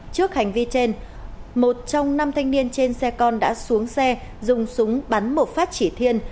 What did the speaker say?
trước hành vi trên một trong năm thanh niên trên xe con đã xuống xe dùng súng bắn một phát chỉ thiên